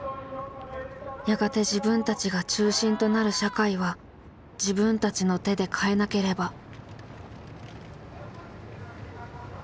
やがて自分たちが中心となる社会は自分たちの手で変えなければ。